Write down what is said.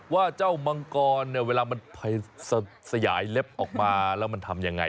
ว่าเจ้ามังกรเนี่ยเวลามันสยายเล็บออกมาแล้วมันทำยังไง